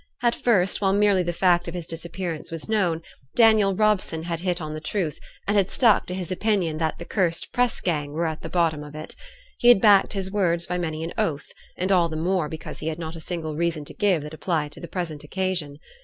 At first, while merely the fact of his disappearance was known, Daniel Robson had hit on the truth, and had stuck to his opinion that the cursed press gang were at the bottom of it. He had backed his words by many an oath, and all the more because he had not a single reason to give that applied to the present occasion.